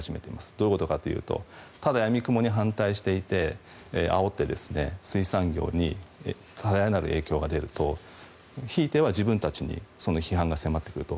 どういうことかというとただ闇雲に反対して、あおって水産業に多大なる影響が出るとひいては自分たちにその批判が迫ってくると。